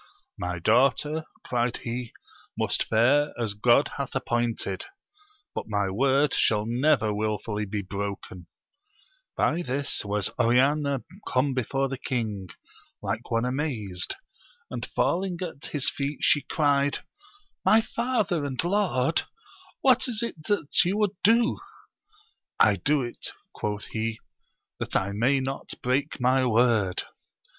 My daughter, cried he, must fare as God hath ap pointed ; but my word shall never wilfully be broken ! By this was Oriana come before the king, like one amazed, and falling at his feet she crl^d, M::^ ^ jj^^CkKt and lord I what is it that yo\x "woxM ^q\ \^^'^'^ 188 AMADIS OF GAUL. quoth he, that I may not break my word.